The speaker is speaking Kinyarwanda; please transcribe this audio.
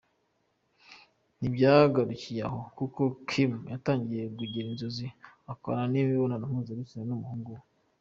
Ntibyagarukiye aho kuko Kim yatangiye kugira inzozi akorana imibonano mpuzabitsina n’umuhungu we.